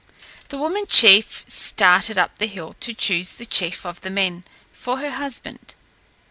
The woman chief started up the hill to choose the chief of the men for her husband.